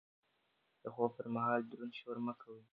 د خوب پر مهال دروند شور مه کوئ.